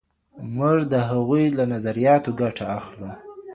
موږ د هغوی له نظریاتو ګټه اخلو.